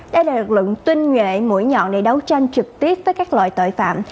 đây là lực lượng tuyên nhuệ mũi nhọn để đấu tranh trực tiếp với các loại tội phạm